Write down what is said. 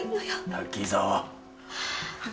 滝沢。